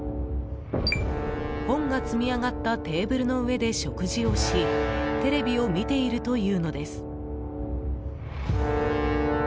本が積み上がったテーブルの上で食事をしテレビを見ているというのです。